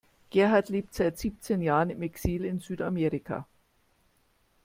Gerhard lebt seit siebzehn Jahren im Exil in Südamerika.